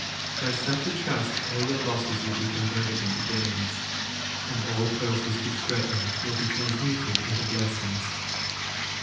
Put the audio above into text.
By such a trust all your losses will be converted into gains, and all curses which threaten will be transmuted into blessings.